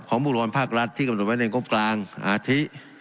ของบุรกรภักดิ์รัฐที่กำหนดไว้ในกรมกลางอาทิ